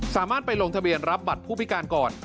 สามารถไปลงทะเบียนรับบัตรผู้พิการก่อน